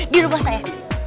di rumah saya